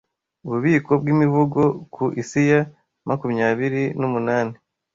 Ububiko bw'Imivugo ku Isiya makumyabiri numunani